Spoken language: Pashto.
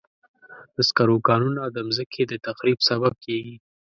د سکرو کانونه د مځکې د تخریب سبب کېږي.